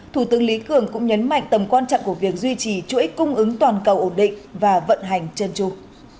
thủ tướng lý cường cũng nhấn mạnh tầm quan trọng của việc duy trì chuỗi cung ứng toàn cầu ổn định và vận hành chân trục